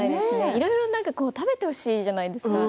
いろいろ食べてほしいじゃないですか。